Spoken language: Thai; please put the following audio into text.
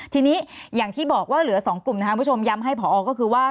ทีนี้อย่างที่บอกว่าเหลือ๒กลุ่มนะครับคุณผู้ชมย้ำให้ผอก็คือว่า